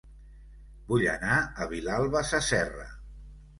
Vull anar a Vilalba Sasserra